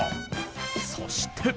そして。